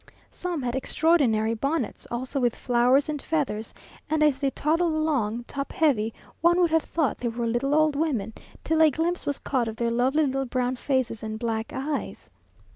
Some had extraordinary bonnets, also with flowers and feathers, and as they toddled along, top heavy, one would have thought they were little old women, till a glimpse was caught of their lovely little brown faces and black eyes.